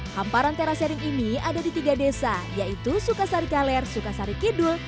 hamparan teras sharing ini ada di tiga desa yaitu sukasari kaler sukasari kidul